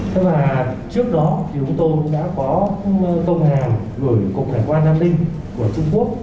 thế mà trước đó thì chúng tôi đã có công hàm gửi cục đại quan nam linh của trung quốc